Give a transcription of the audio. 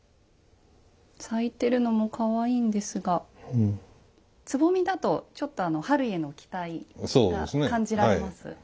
咲いてるのもかわいいんですがつぼみだとちょっと春への期待が感じられます。